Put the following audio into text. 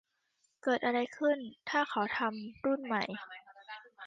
เกิดอะไรขึ้นถ้าเขาทำรุ่นใหม่